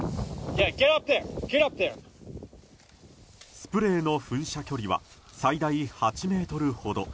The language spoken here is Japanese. スプレーの噴射距離は最大８ｍほど。